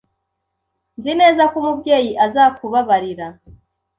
Nzi neza ko Umubyeyi azakubabarira.